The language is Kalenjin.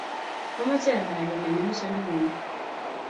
amoche anai ale nee ni me sondokuu ni.